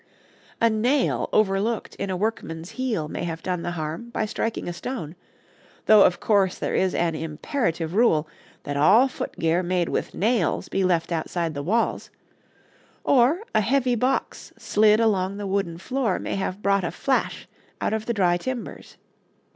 A nail overlooked in a workman's heel may have done the harm by striking a stone, though of course there is an imperative rule that all footgear made with nails be left outside the walls; or a heavy box slid along the wooden floor may have brought a flash out of the dry timbers.